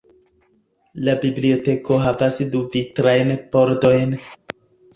La biblioteko havas du vitrajn pordojn.